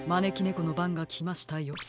このばんがきましたよ。